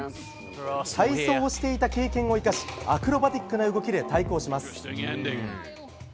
体操をしていた経験を生かしアクロバティックな動きで対抗します。